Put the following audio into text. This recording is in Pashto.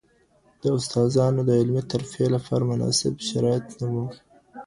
د استادانو د علمي ترفیع لپاره مناسب شرایط نه وو.